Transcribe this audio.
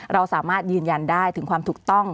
เราสามารถยืนยันได้ถึงความถูกต้อง